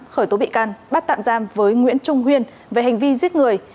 khởi tố bị can bắt tạm giam với nguyễn trung huyên về hành vi giết người